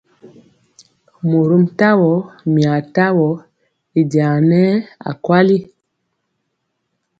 Mɔrom tawo, mia tamɔ y jaŋa nɛɛ akweli.